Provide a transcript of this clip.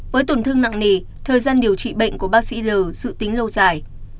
với tổn thương nặng nề thời gian điều trị bệnh của bác sĩ l sự tính lâu dài